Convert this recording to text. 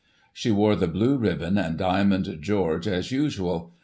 She wore the blue ribbon and diamond George as usual.